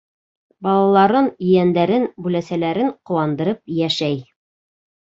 Балаларын, ейәндәрен, бүләсәләрен ҡыуандырып йәшәй.